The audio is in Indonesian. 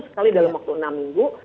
sekali dalam waktu enam minggu